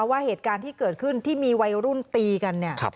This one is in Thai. ว่าเหตุการณ์ที่เกิดขึ้นที่มีวัยรุ่นตีกันเนี่ย